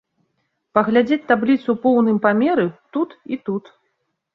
Паглядзець табліцу ў поўным памеры тут і тут.